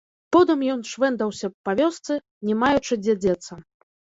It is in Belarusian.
Потым ён швэндаўся па вёсцы, не маючы, дзе дзецца.